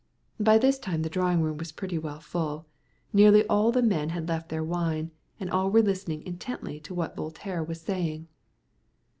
By this time the drawing room was pretty well full. Nearly all the men had left their wine, and all were listening intently to what Voltaire was saying.